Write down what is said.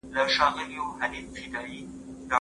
مرکزي کتابتون بې اسنادو نه ثبت کیږي.